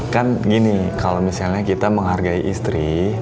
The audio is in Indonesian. kan gini kalau misalnya kita menghargai istri